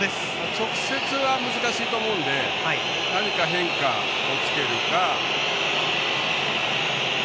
直接は難しいと思うので何か変化をつけるか。